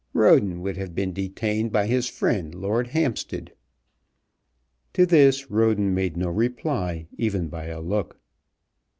Roden would have been detained by his friend, Lord Hampstead." To this Roden made no reply even by a look.